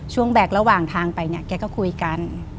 แบกระหว่างทางไปเนี่ยแกก็คุยกัน